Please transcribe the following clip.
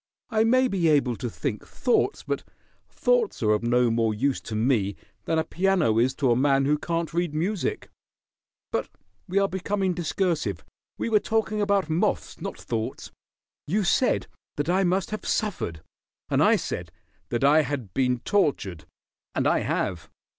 I may be able to think thoughts, but thoughts are of no more use to me than a piano is to a man who can't read music. But we are becoming discursive. We were talking about moths, not thoughts. You said that I must have suffered, and I said that I had been tortured, and I have.